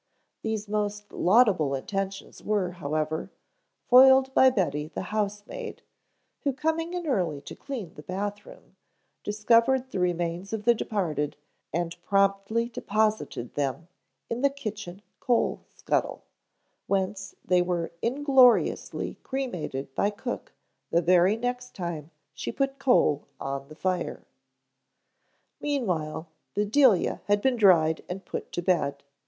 These most laudable intentions were, however, foiled by Betty, the housemaid, who coming in early to clean the bath room, discovered the remains of the departed and promptly deposited them in the kitchen coal scuttle, whence they were ingloriously cremated by cook the very next time she put coal on the fire. Meanwhile Bedelia had been dried and put to bed.